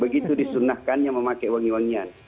begitu disunahkannya memakai wangi wangian